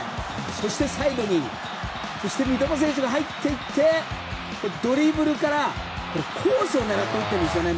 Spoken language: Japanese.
そしてサイドに三笘選手が入って行ってドリブルから、コースを狙って打ってるんですね。